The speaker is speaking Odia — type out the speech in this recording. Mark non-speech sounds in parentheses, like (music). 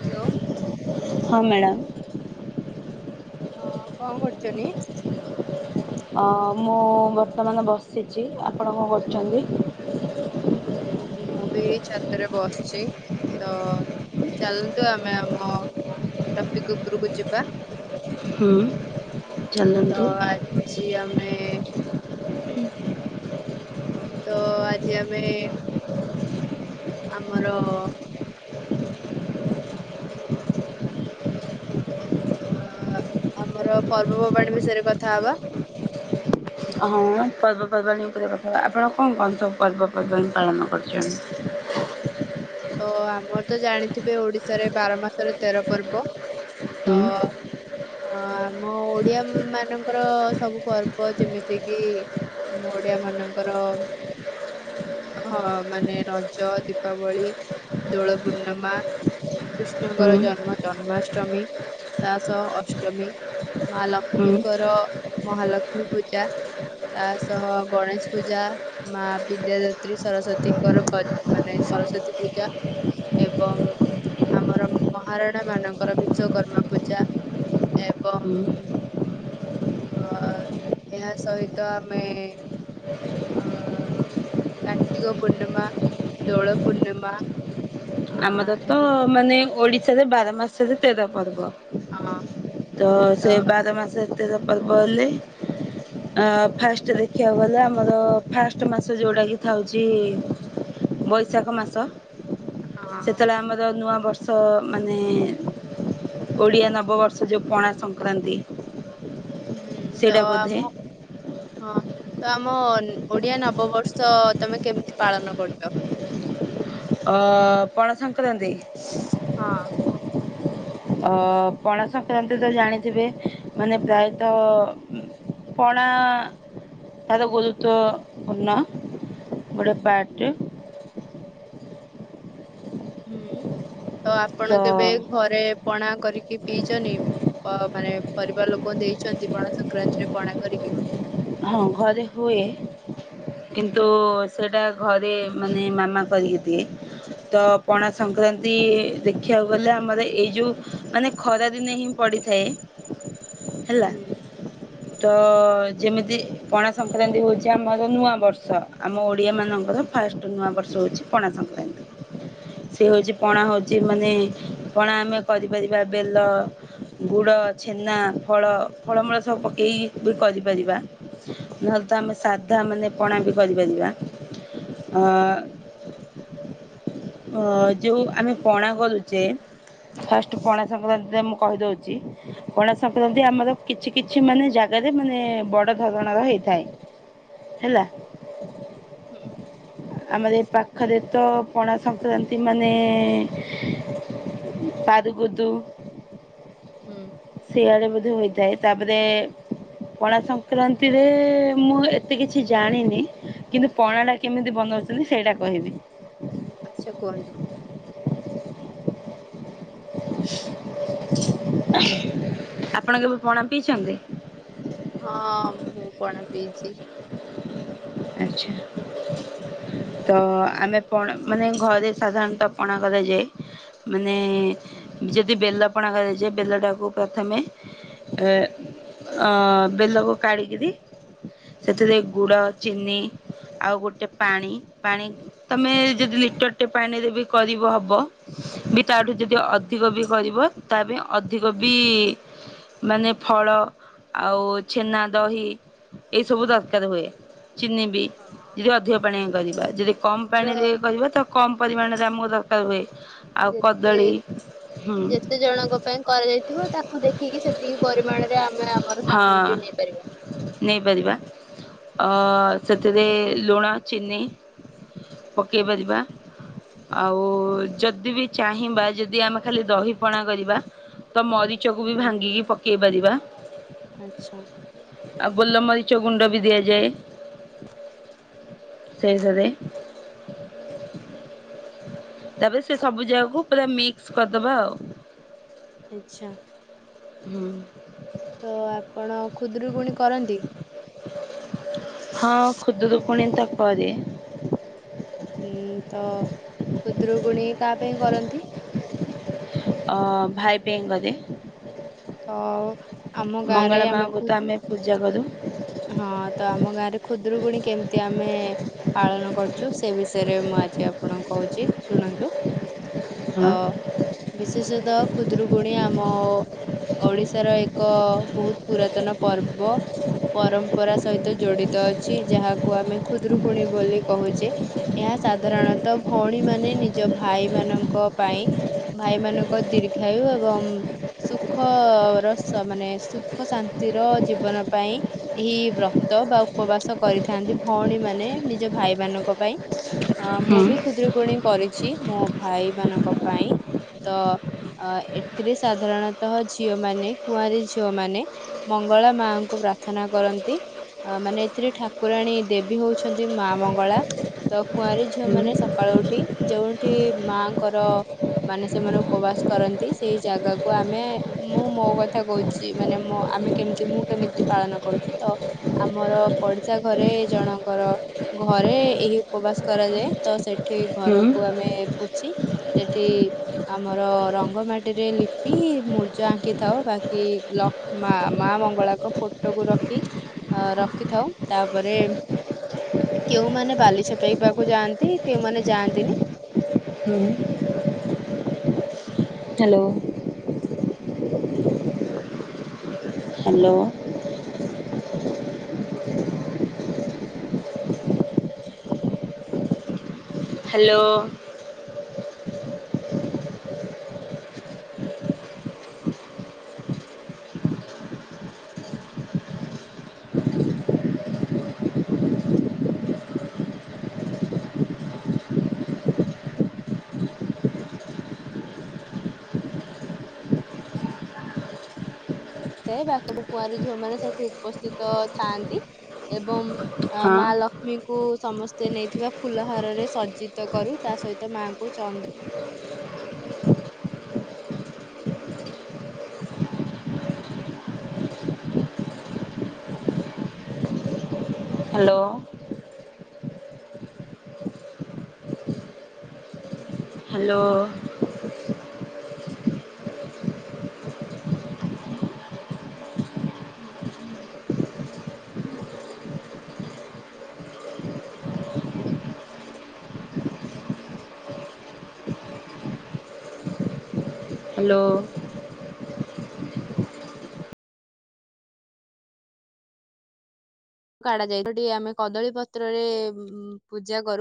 ହ୍ୟାଲୋ ହଁ ମ୍ୟାଡ଼ାାମ ହଁ କଣ କରୁଚନି? ମୁଁ ବର୍ତ୍ତମାନ ବସିଛି ଆପଣ କଣ କରୁଛନ୍ତି? ହ ମୁଁ ବି ଛାତରେ ବସିଛି ତ ଚାଲନ୍ତୁ ଆମେ ଆମ ଟପିକ ଉପରକୁ ଯିବା ହୁଁ ତ ଚାଲନ୍ତୁ। ଆଜି ଆମେ ହୁଁ। ତ ଆଜି ଆମେ ଆମର ଅ ଆମର ପର୍ବପର୍ବାଣି ବିଷୟରେ କଥା ହବା ହଁ ପର୍ବପର୍ବାଣୀ ଉପରେ କଥା ହବା। ଆପଣ କଣ କଣ ସବୁ ପର୍ବପର୍ବାଣି ପାଳନ କରୁଛନ୍ତି? ଓ ଆମର ତ ଜାଣିଥିବେ ଓଡିଶାରେ ବାର ମାସର ତେର ପର୍ବ ତ ହୁଁ ହଁ ଆମ ଓଡିଆ ମାନଙ୍କର ସବୁ ପର୍ବ ଯେମିତିକି ଆମ ଓଡିଆ ମାନଙ୍କର ହଁ ମାନେ ରଜ ଦୀପାବଳି ଦୋଳ ପୂର୍ଣ୍ଣିମା କୃଷ୍ଣଙ୍କର ହୁଁ ଜନ୍ମ ଜନ୍ମାଷ୍ଟମୀ ତା ସହ ଅଷ୍ଟମୀ ମା ହୁଁ। ଲକ୍ଷ୍ମୀଙ୍କର ମହାଲକ୍ଷ୍ମୀ ପୂଜା ତା ସହ ଗଣେଶ ପୂଜା ମା ବିଦ୍ୟାଦତ୍ରୀ ସରସ୍ଵତୀଙ୍କର ମାନେ ସରସ୍ଵତୀ ପୂଜା ଜା ଏବଂ ଆମର ମହାରଣା ମାନଙ୍କର ବିଶ୍ଵକର୍ମା ପୂଜା ହୁଁ ଏବଂ (inaudible) ଅ ଏହା ସହିତ ଆମେ ଆ କାର୍ତ୍ତିକ ପୂର୍ଣ୍ଣିମା ଦୋଳ ପୂର୍ଣ୍ଣିମା ଆ ଆମର ତ ଏମ- ମାନେ ଓଡିଶା ସେ ବାର ମାସ ତେର ପର୍ବ ହଁ ତ ସେ ବାର ମାସ ଏତେ (inaudible) ପର୍ବ ହେଲେ ଫାଷ୍ଟ ଦେଖିବାକୁ ଗଲେ ଆମର ଫାଷ୍ଟ ମାସ ଯେଉଁଟାକି ଥାଉଛି ବୈଶାଖ ମାସ ହଁ ସେତେବେଳେ ଆମର ନୂଆ ବର୍ଷ ବର୍ଷ ମାନେ ଓଡ଼ିଆ ନବବର୍ଷ ଯେଉଁ ପଣା ସଂକ୍ରାନ୍ତି ହୁଁ ତ ସେଇଟା ବୋଧେ ଆମ ହଁ ତ ଆମ ଓଡିଆ ନବବର୍ଷ ତମେ କେମିତି ପାଳନ କରୁଛ। ଅ ପଣସଙ୍କତନ୍ତ ହଁ। ଅ ପ (inaudible) ସଂକ୍ରାନ୍ତି ତ ଜାଣିଥିବେ। ମାନେ ପ୍ରାୟତଃ ପଣା ତାର ଗୁରୁତ୍ୱପୂର୍ଣ୍ଣ ଗୋଟଏ ପ୍ୟାଟ ହୁଁ। ତ ଆପଣ କେବେ ଘରେ ପଣା କରିକି ପିଇଛନ୍ତି ମାନେ ପରିବାର ଲୋକ ଦେଇଛନ୍ତି ପଣା ସଂକ୍ରାନ୍ତିରେ ପଣା କରିକି ହଁ ଘରେ ହୁଏ କିନ୍ତୁ ସେଇଟା ଘରେ ମାନେ ମାମା କରିକି ଦିଏ ତ ପଣା ସଂକ୍ରାନ୍ତି ଦେଖିବାକୁ ଗଲେ ଆମର ଏଇ ଯେଉଁ ମାନେ ଖରାଦିନେ ହିଁ ପଡ଼ିଥାଏ। ହେଲା ହୁଁ। ତ ଯେମିତି ପଣା ସଂକ୍ରାନ୍ତି ହେଉଛି ଆମର ନୂଆ ବର୍ଷ ଆମ ଓଡ଼ିଆମାନଙ୍କର ଫାଷ୍ଟ ନୂଆ ବର୍ଷ ହେଉଛି ପଣା ସଂକ୍ରାନ୍ତି ସେ ହେଉଛି ପଣା ହେଉଛି ମାନେ ପଣା ଆମେ କରିପାରିବା ବେଲ ଗୁଡ଼ ଛେନା ଫଳ ଫଳମୂଳ ସବୁ ପକାଇ ବି କରି ପାରିବା ନହେଲେ ତ ଆମେ ସାଧା ମାନେ ପଣା ବି କରିପାରିବା ଉଁ ଆ ଯଉ ଆମେ ପଣା କରୁଛେ ଫାଷ୍ଟ ପଣା ସଂକ୍ରାନ୍ତି ରେ ମୁଁ କହିଦେଉଛି ପଣା ସଂକ୍ରାନ୍ତି ଆମର କିଛି କିଛି ମାନେ ଜାଗାରେ ମାନେ ବଡ଼ ଧରଣର ହୋଇଥାଏ ହେଲା। ହୁଁ ଆମର ଏଇ ପାଖରେ ତ ପଣା ସଂକ୍ରକ୍ରାନ୍ତି ମାନେ ପାରୁଗୋଦୁ ହୁଁ ସେଆଡେ ବୋଧେ ହୋଇଥାଏ। ତାପରେ ପଣସ ସଂକ୍ରାନ୍ତିରେ ମୁଁ ଏତେ କିଛି ଜାଣିନି କିନ୍ତୁ ପଣାଟା କେମିତି ବନାଉଛନ୍ତି ସେଇଟା କହିବି। ଆଚ୍ଛା କୁହନ୍ତୁ। ଆପଣ କେବେ ପଣା ପିଇଛନ୍ତି? ହଁ ମୁଁ ପଣା ପିଛି। ଆଚ୍ଛା ତ ଆମେ ପଣା ମାନେ ଘରେ ସାଧାରଣତଃ ପଣା କରାଯାଏ ମାନେ ଯଦି ବେଲ ପଣା କରାଯାଏ ବେଲଟାକୁ ପ୍ରଥମେ ଅଁ--ଅଁ ବେଲକୁ କାଢ଼ିକରି ସେଥିରେ ଗୁଡ଼ ଚିନି ଆଉ ଗୋଟେ ପାଣି ପାଣି ତମେ ଯଦି ଲିଟରଟେ ପାଣିରେ ବି କରିବ ହବ ବି ତାଠୁ ଯଦି ଅଧିକ ବି କରିବ ତା ପାଇଁ ଅଧିକ ବି ମାନେ ଫଳ ଆଉ ଛେନା ଦହି ଏସବୁ ଦରକାର ହୁଏ। ଚିନି ବି ହଁ ଯଦି ଅଧିକ ପାଣି ମାନେ କରିବା ଯଦି କମ ଆମର ପାଣିରେ କରିବା ତ କମ ପରିମାଣରେ ଆମକୁ ର ଆ ହୁଏ। ଆଉ ଯେତେ କଦଳୀ ହୁଁ ଯେତେ ଜଣଙ୍କ ପାଇଁ କରାଯାଇଥିବ ତାକୁ ଦେଖିକି ସେତିକି ପରିମାଣରେ ଆମେ ଆମର ହଁ ସାମଗ୍ରୀ ନେଇପାରିବା। ହଁ ସେଥିରେ ଲୁଣ ଚିନି ପକାଇ ପାରିବା ଆଉ ଯଦି ବି ଚାହିଁବା ଯଦି ଆମେ ଖାଲି ଦହି ପଣା କରିବା। ତ ମରିଚକୁ ବି ହୁଁ ଭାଙ୍ଗିକି ପକେଇବ୍ ପାରିବା ଆଚ୍ଛା ଆଉ ଗୋଲମରିଚ ଗୁଣ୍ଡ ବି ଦିଆଯାଏ। ଶେଷରେ ତାପରେ ସେ ସବୁ ଜାଗାକୁ ପୁରା ମିକ୍ସ କରିଦେବା ଆଉ ଆଚ୍ଛା ହୁଁ ତ ଆପଣ ଖୁଦୁରୁ ଗୁଣି କରନ୍ତି? ହଁ ଖୁଦୁରୁକୁଣି ତ କରେ। ଉଁ ତ ଖୁଦୁରୁକୁୁଣୀ କାହା ପାଇଁ କରନ୍ତି? ଅ ଭାଇ ପାଇଁକ ଦେ ତ ଆମ ଗାଁରେ ଆମେ ଖୁ ଜାକରୁ ହଁ ତା ମ ଗାଁରେ ଖୁଦରୁକୁୁଣୀ କେମିତି ଆମେ ପାଳନ କରୁୁ ଯଉ ସେ ବିଷୟରେ ମୁଁ ଆଜି ଆପଣଙ୍କୁ କହୁଛି ଶୁଣନ୍ତୁ। ତ ହଁ ବିଶେଷତଃ ଖୁଦୁରୁକୁଣି ଆମ ଓଡିଶାର ଏକ ବହୁତ ପୁରାତନ ପର୍ବ ପରମ୍ପରା ସହିତ ଜଡିତ ଅଛି ଯାହାକୁ ଆମେ ଖୁଦରୁକୁଣୀ ବୋଲି କୋହୁଚେ। ଏହା ସାଧାରଣତଃ ଭଉଣୀମାନେ ନିଜ ଭାଇମାନଙ୍କ ପାଇଁ ଭାଇମାନଙ୍କ ଦୀର୍ଘାୟୁ ଏବଂ ସୁଖର ସ ମାନେ ସୁଖ ଶାନ୍ତିର ଜୀବନ ପାଇଁ ଏହି ବ୍ରତ ବା ଉପବାସ କରିଥାନ୍ତି ଭଉଣୀମାନେ ନିଜ ଭାଇମାନଙ୍କ ପାଇଁ। ଅଁ ମୁଁ ହୁଁ ବି ଖୁଦରୁକୁୁଣୀ କରିଚି ମୋ ଭାଇମାନଙ୍କ ପାଇଁ ତ ଅ ଏଥିରେ ସାଧାରଣତଃ ଝିଅମାନେ କୁଆଁରୀ ଝିଅମାନେ ମଙ୍ଗଳା ମାଙ୍କୁ ପ୍ରା ଥନା କରନ୍ତି ଅ ମାନେ ଏଥିରେ ଠାକୁରାଣୀ ଦେବୀ ହୋଉଛନ୍ତି ମା ମଙ୍ଗଳା ତ କୁଆଁରୀ ଝିଅ ହୁଁ ମାନେ ସକାଳୁ ଉଠି ଯୋଉଁଠି ମାଙ୍କର ମାନେ ସେମାନେ ଉପବାସ କରନ୍ତି ସେଇ ଜାଗାକୁ ଆମେ ମୁଁ ମୋ କଥା କୋହୁଚି ମାନେ ମୋ ଆମେ କେମିତି ମୁଁ କେମିତି ପାଳନ କରୁଚି ତ ଆମର ପଡିଶା ଘରେ ଜଣଙ୍କର ଘରେ ଏହି ଉପବାସ କରାଯାଏ‌ ତ ସେ ଠି ହୁଁ ଘରକୁ ଆମେ ପୋ ଛି ଏତି ଆମର ରଙ୍ଗ ମାଟିରେ ଲିପି ମୁର୍ଜ ଆଙ୍କିଥାଉ ବାକି ଲ ମା ମା ମଙ୍ଗଳାଙ୍କ ଫୋ ଟକୁ ରଖି ଅ ରଖିଥାଉ ତାପରେ କେଉଁମାନେ ବାଲି ଛପେଇବାକୁ ଯାଆନ୍ତି କେଉଁମାନେ ଯାଆନ୍ତିନି। ହୁଁ। ହାଲୋ। ହାଲୋ। ହାଲୋ। ତାଏ ବା କବୁ କୁଆଁର ଝିଅମାନେ ସେଠୁ ଉପସ୍ଥିତ ଥାଆନ୍ତି ଏବଂ ଆ ହଁ ମା ଲକ୍ଷ୍ମୀଙ୍କୁ ସମସ୍ତେ ନେଇଥିବା ଫୁଲହାରରେ ସଜ୍ଜିତ କରୁ ତା ସହିତ ମାଆଙ୍କୁ ଚନ୍ଦ୍ ହାଲୋ। ହାଲୋ। ହାଲୋ। କାଡ଼ା ଯାଏ ତଠି ଆମେ କଦଳୀ ପତ୍ରରେ ଉଁ ପୂଜା କରୁ।